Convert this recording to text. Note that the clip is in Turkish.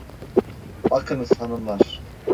Bakınız hanımlar…